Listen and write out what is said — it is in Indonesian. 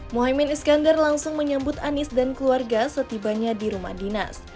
mohaimin iskandar langsung menyebut anis dan keluarga setibanya di rumah dinas